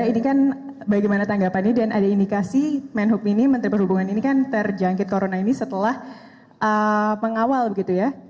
ini kan bagaimana tanggapannya dan ada indikasi menhub ini menteri perhubungan ini kan terjangkit corona ini setelah pengawal begitu ya